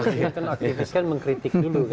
dia kan aktivis kan mengkritik dulu kan